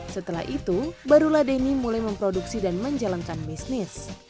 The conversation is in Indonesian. setelah itu barulah denny mulai memproduksi dan menjalankan bisnis